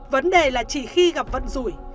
vấn đề là chỉ khi gặp vận rủi